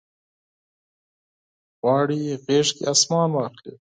غواړي غیږ کې اسمان واخلي